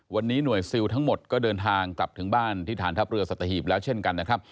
วันนี้หน่วยซิลทั้งหมดก็เดินทางกลับถึงบ้านที่ฐานทัพเรือสัตหีบแล้วเช่นกันนะครับ